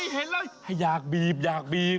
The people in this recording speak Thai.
เห็นแล้วอยากบีบอยากบีบ